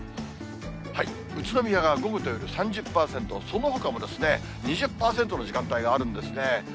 宇都宮が午後と夜３０％、そのほかもですね、２０％の時間帯があるんですね。